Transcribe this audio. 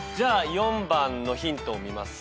４番のヒントを見ます。